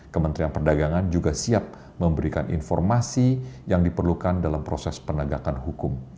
kementerian perdagangan juga siap memberikan informasi yang diperlukan dalam proses penegakan hukum